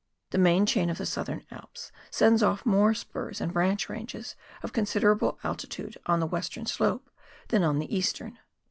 The main chain of the Southern Alps sends off more spurs and branch ranges of considerable altitude on the western slopes than on the eastern.